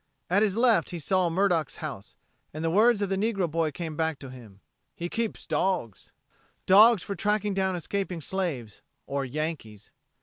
At his left he saw Murdock's house, and the words of the negro boy came back to him: "He keeps dawgs." Dogs for tracking down escaping slaves or Yankees.